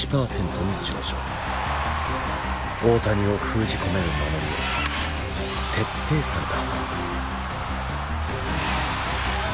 大谷を封じ込める守りを徹底された。